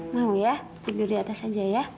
mau ya tidur di atas aja ya